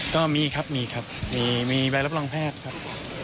ก็มีครับมีครับมีใบรับรองแพทย์ครับ